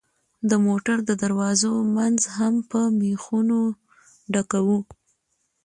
د موټر د دروازو منځ هم په مېخونو ډکوو.